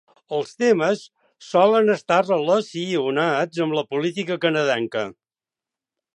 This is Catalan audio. Els temes solen estar relacionats amb la política canadenca.